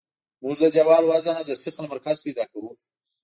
موږ د دیوال وزن او د ثقل مرکز پیدا کوو